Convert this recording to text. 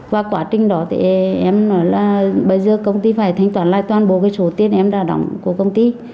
và quá trình đó thì em nói là bây giờ công ty phải thanh toán lại toàn bộ cái số tiền em đã đóng của công ty